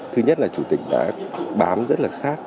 thứ nhất là chủ tịch đã bám rất là sát